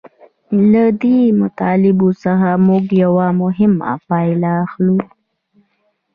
له دې مطالبو څخه موږ یوه مهمه پایله اخلو